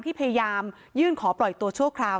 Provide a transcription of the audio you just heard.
พยายามยื่นขอปล่อยตัวชั่วคราว